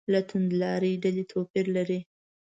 له توندلارې ډلې توپیر لري.